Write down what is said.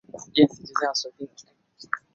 卡瑙巴尔是巴西塞阿拉州的一个市镇。